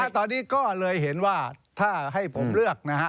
ตอนนี้ก็เลยเห็นว่าถ้าให้ผมเลือกนะฮะ